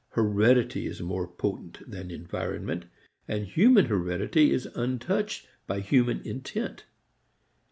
Heredity is more potent than environment, and human heredity is untouched by human intent.